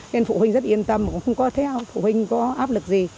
nên phụ huynh rất yên tâm cũng không có theo phụ huynh có áp lực gì